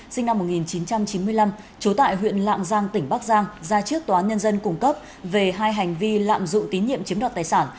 sinh năm một nghìn chín trăm chín mươi năm trú tại huyện lạng giang tỉnh bắc giang ra trước tòa nhân dân cung cấp về hai hành vi lạm dụng tín nhiệm chiếm đoạt tài sản